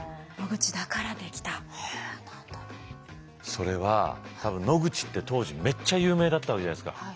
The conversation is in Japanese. それは多分野口って当時めっちゃ有名だったわけじゃないですか。